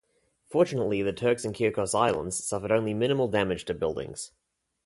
Fortunately the Turks and Caicos Islands suffered only minimal damage to buildings.